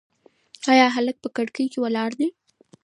ایا هلک په کړکۍ کې ولاړ دی؟